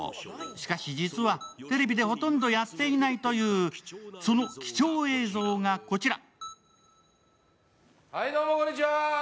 しかし実は、テレビでほとんどやっていないというその貴重映像がこちら。